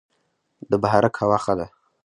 د بهارک هوا ښه ده